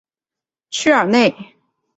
屈尔内。